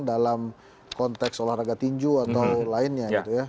dalam konteks olahraga tinju atau lainnya